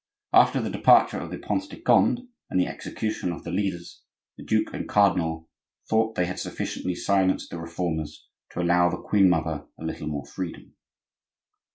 After the departure of the Prince de Conde, and the execution of the leaders, the duke and cardinal thought they had sufficiently silenced the Reformers to allow the queen mother a little more freedom.